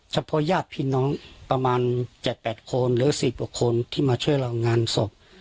เฉพาะญาติพี่น้องประมาณ๗๘คนหรือ๑๐กว่าคนที่มาช่วยเรางานศพ